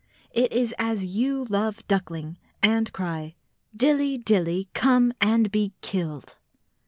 It is as you love duckling, and cry, "Dilly, Dilly, come and be killed!"